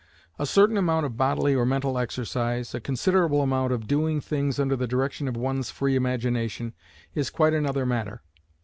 A certain amount of bodily or mental exercise, a considerable amount of doing things under the direction of one's free imagination is quite another matter.